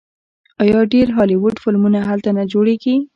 آیا ډیر هالیوډ فلمونه هلته نه جوړیږي؟